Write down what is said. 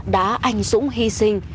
đã ánh súng hy sinh